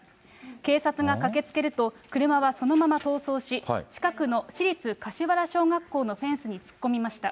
警察が駆けつけると、車はそのまま逃走し、近くのしりつかしわら小学校のフェンスに突っ込みました。